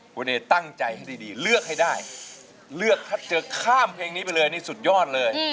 คุณเอตั้งใจให้ดีเลือกให้ได้เลือกถ้าเจอข้ามเพลงนี้ไปเลยนี่สุดยอดเลย